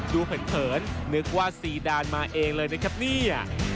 เผินนึกว่าซีดานมาเองเลยนะครับเนี่ย